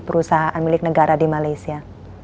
perusahaan milik negara di malaysia